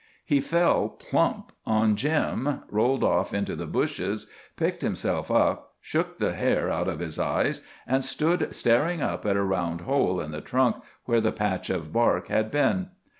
He fell plump on Jim, rolled off into the bushes, picked himself up, shook the hair out of his eyes and stood staring up at a round hole in the trunk where the patch of bark had been.